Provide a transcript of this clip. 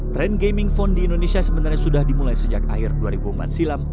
tren gaming phone di indonesia sebenarnya sudah dimulai sejak akhir dua ribu empat silam